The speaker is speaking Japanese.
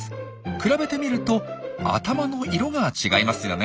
比べてみると頭の色が違いますよね。